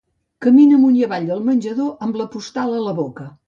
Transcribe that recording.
Camina amunt i avall del menjador, amb la postal a la boca.